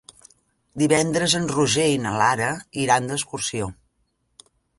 Divendres en Roger i na Lara iran d'excursió.